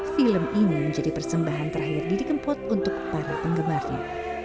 film ini menjadi persembahan terakhir didi kempot untuk para penggemarnya